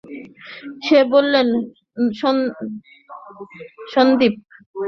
সে বললে, সন্দীপ!